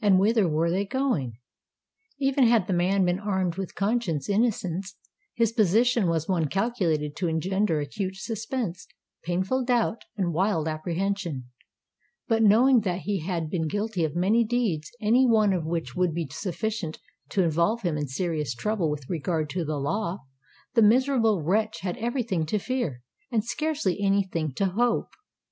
and whither were they going? Even had the man been armed with conscious innocence, his position was one calculated to engender acute suspense, painful doubt, and wild apprehension;—but, knowing that he had been guilty of many deeds any one of which would be sufficient to involve him in serious trouble with regard to the law, the miserable wretch had every thing to fear, and scarcely any thing to hope.